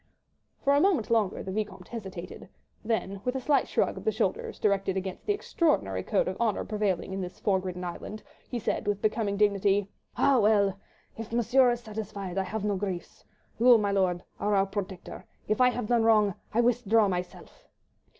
For a moment longer the Vicomte hesitated, then with a slight shrug of the shoulders directed against the extraordinary code of honour prevailing in this fog ridden island, he said with becoming dignity,— "Ah, well! if Monsieur is satisfied, I have no griefs. You, mi'lor', are our protector. If I have done wrong, I withdraw myself."